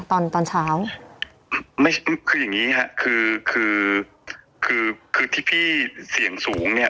ตอนตอนเช้าไม่ใช่ปุ๊บคืออย่างงี้ฮะคือคือคือที่พี่เสี่ยงสูงเนี้ย